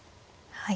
はい。